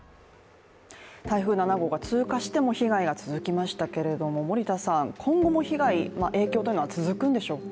台風７号が通過しても被害が続きましたけれども、森田さん、今後も被害、影響というのは続くんでしょうか。